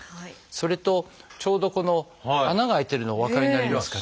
それとちょうどこの穴が開いてるのお分かりになりますかね。